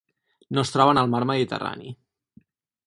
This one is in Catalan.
No es troben al Mar Mediterrani.